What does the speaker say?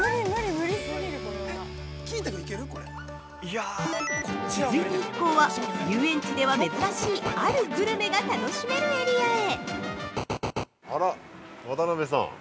続いて一行は遊園地では珍しいあるグルメが楽しめるエリアへ。